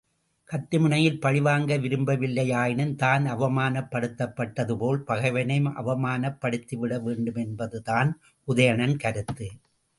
கத்திமுனையில் பழிவாங்க விரும்பவில்லையாயினும் தான் அவமானப் படுத்தப்பட்டது போல் பகைவனையும் அவமானப்படுத்திவிட வேண்டுமென்பதுதான் உதயணன் கருத்து.